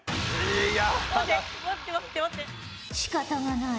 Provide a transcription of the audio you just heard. しかたがない。